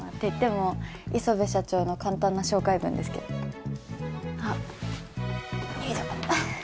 いっても磯辺社長の簡単な紹介文ですけどあっよいしょっ